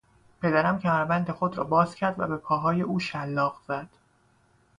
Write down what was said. پدرم کمربند خود را باز کرد و به پاهای او شلاق زد.